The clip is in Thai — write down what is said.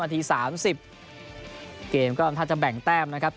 นาทีสามสิบเกมก็อำนาจจะแบ่งแต้มนะครับ